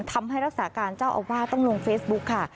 ทำให้รักษาการเจ้าอาวาสต้องลงเฟซบุ๊คค่ะ